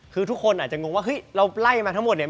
คือทุกคนอาจจะงงว่าเฮ้ยเราไล่มาทั้งหมดเนี่ย